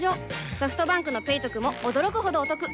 ソフトバンクの「ペイトク」も驚くほどおトク